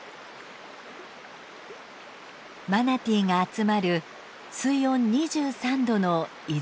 マナティーが集まる水温２３度の泉の湧き出し口。